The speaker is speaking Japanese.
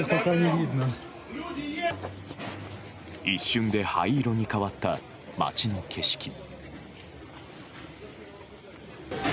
一瞬で灰色に変わった街の景色。